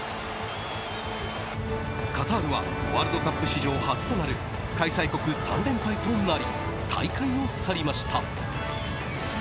カタールはワールドカップ史上初となる開催国３連敗となり大会を去りました。